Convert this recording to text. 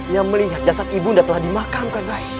yang melihat jasad ibunda telah dimakamkan